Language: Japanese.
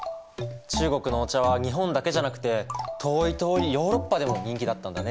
中国のお茶は日本だけじゃなくて遠い遠いヨーロッパでも人気だったんだね。